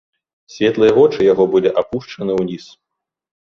Светлыя вочы яго былі апушчаны ўніз.